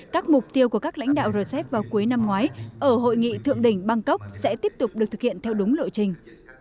các mục tiêu của các lãnh đạo rcep vào cuối năm ngoái ở hội nghị thượng đỉnh bangkok sẽ tiếp tục được thực hiện theo đúng lộ trình